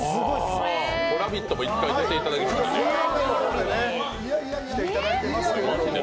「ラヴィット！」も１回出ていただいたんですね。